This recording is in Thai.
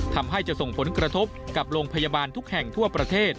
ทำให้จะส่งผลกระทบกับโรงพยาบาลทุกแห่งทั่วประเทศ